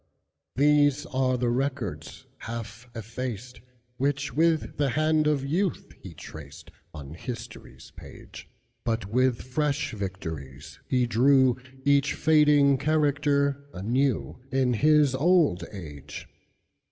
These are the records, half effaced, Which, with the hand of youth, he tracedOn history's page; But with fresh victories he drewEach fading character anewIn his old age.